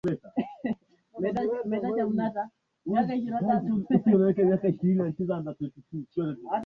mgongano huo ulifanyika saa tano na dakika arobaini na tano